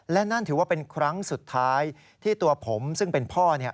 และนั่นถือว่าเป็นครั้งสุดท้ายที่ตัวผมซึ่งเป็นพ่อเนี่ย